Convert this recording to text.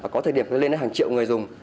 có thời điểm lên đến hàng triệu người dùng